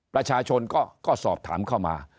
ประชาชนก็สอบถามเข้ามา